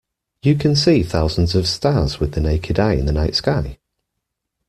You can see thousands of stars with the naked eye in the night sky?